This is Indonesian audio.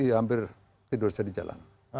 hampir tidur saya di jalanan